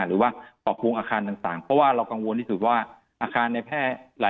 หรือว่าปรับปรุงอาคารต่างเพราะว่าเรากังวลที่สุดว่าอาคารในแพร่หลาย